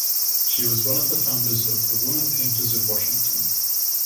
She was one of the founders of the Women Painters of Washington.